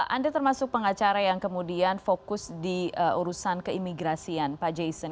anda termasuk pengacara yang kemudian fokus di urusan keimigrasian pak jason